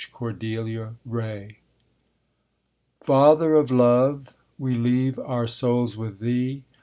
CORDELIA RAY Father of Love! We leave our souls with Thee!